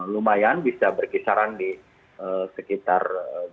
lumayan bisa berkisaran di sekitar